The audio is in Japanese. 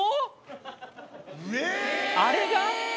あれが？